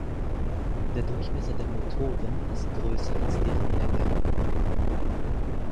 Der Durchmesser der Motoren ist größer als deren Länge.